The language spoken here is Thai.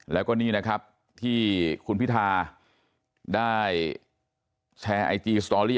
แล้วก็นี่นะครับที่คุณพิธาได้แชร์ไอจีสตอรี่